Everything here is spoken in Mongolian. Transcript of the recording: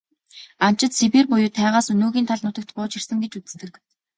Анчид Сибирь буюу тайгаас өнөөгийн тал нутагт бууж ирсэн гэж үздэг.